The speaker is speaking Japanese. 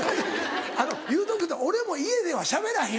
あの言うとくけど俺も家ではしゃべらへんよ。